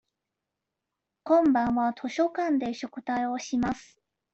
今晩は図書館で宿題をします。